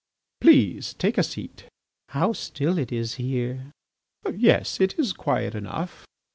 "Please take a seat." "How still it is here." "Yes, it is quiet enough."